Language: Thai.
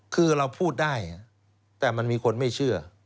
คือเราพูดได้แต่มันมีคนไม่เชื่อ